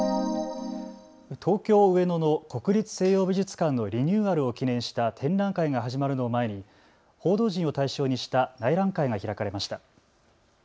東京上野の国立西洋美術館のリニューアルを記念した展覧会が始まるのを前に報道陣を対象にした内覧会が開かれました。